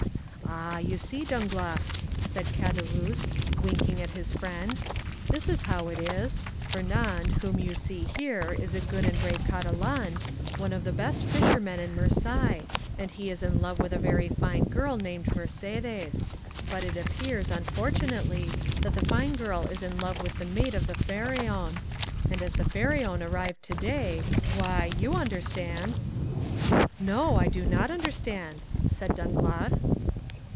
"Ah, you see, Danglars," said Caderousse, winking at his friend, "this is how it is; Fernand, whom you see here, is a good and brave Catalan, one of the best fishermen in Marseilles, and he is in love with a very fine girl, named Mercédès; but it appears, unfortunately, that the fine girl is in love with the mate of the Pharaon; and as the Pharaon arrived today—why, you understand!" "No; I do not understand," said Danglars.